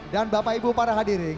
dan bapak ibu para hadirin